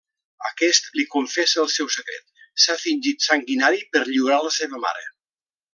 Aquest li confessa el seu secret: s'ha fingit sanguinari per lliurar la seva mare.